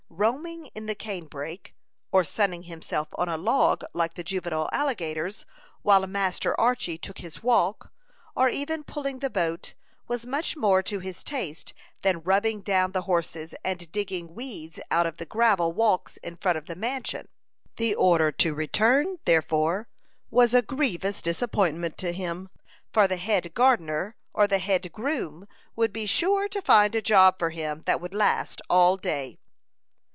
Roaming in the cane brake, or sunning himself on a log like the juvenile alligators, while Master Archy took his walk, or even pulling the boat, was much more to his taste than rubbing down the horses and digging weeds out of the gravel walks in front of the mansion. The order to return, therefore, was a grievous disappointment to him; for the head gardener or the head groom would be sure to find a job for him that would last all day.